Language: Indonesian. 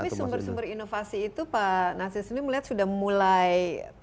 sumber sumber inovasi itu sudah mulai